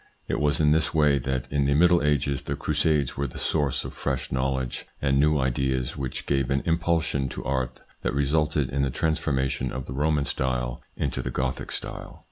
It was in this way that in the Middle Ages the Crusades were the source of fresh knowledge and new ideas, which gave an impulsion to art that resulted in the transformation of the Roman style into the Gothic style.